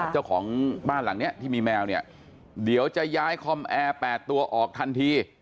เจ้าของบ้านหลังนี้ที่มีแมวเนี่ยเดี๋ยวจะย้ายคอมแอร์๘ตัวออกทันที